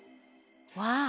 わあ！